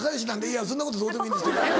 いやそんなことどうでもいいんですけど。